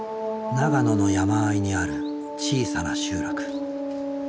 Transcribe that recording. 長野の山あいにある小さな集落。